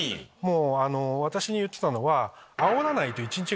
私に言ってたのは。